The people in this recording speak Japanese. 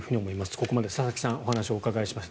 ここまで佐々木さんにお話をお伺いしました。